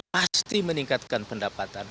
pasti meningkatkan pendapatan